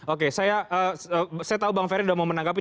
oke saya tahu bang ferry sudah mau menanggapi